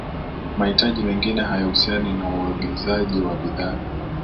mahitaji mengine hayahusiana na uagizaji wa bidhaa